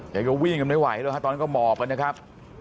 แต่ก็วิ่งกันไม่ไหวเลยครับตอนนี้ก็หมอกันนะครับ